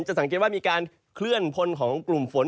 สังเกตว่ามีการเคลื่อนพลของกลุ่มฝน